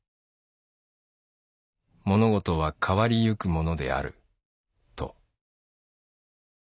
ものごとはかわりゆくものであると。